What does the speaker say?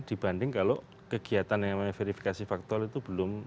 dibanding kalau kegiatan yang namanya verifikasi faktual itu belum